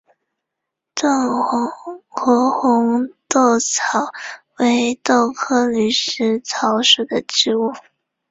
顿河红豆草为豆科驴食草属的植物。